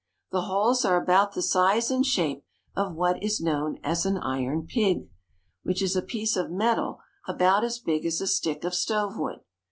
The holes are about the size and shape of what is known as an iron pig, 222 PITTSBURG. Makinp Pig Iron. ^. which is a piece of metal about as big as a stick of stove wood.